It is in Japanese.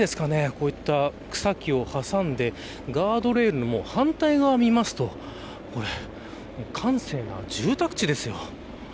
こういった草木を挟んでガードレールの反対側を見ますと閑静な住宅地ですよ。